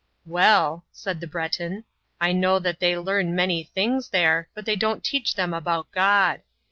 "Well," said the Breton, "I know that they learn 'many things there, but they don't teach them about God.